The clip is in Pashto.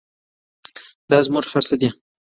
دا زموږ هر څه دی